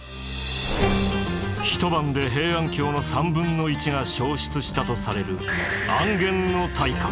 一晩で平安京の３分の１が焼失したとされる安元の大火。